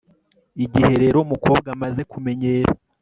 igihe rero umukobwa amaze kumenyera